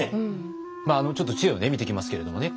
まああのちょっと知恵を見ていきますけれどもね